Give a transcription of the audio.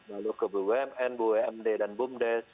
lalu ke bumn bumd dan bumdes